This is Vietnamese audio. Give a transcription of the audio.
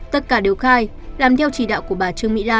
tất cả đều khai làm theo chỉ đạo của bà trương mỹ lan